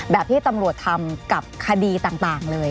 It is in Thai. แบบที่ตำรวจทำกับคดีต่างเลย